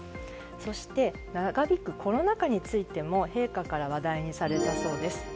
そして長引くコロナ禍についても陛下から話題にされたそうです。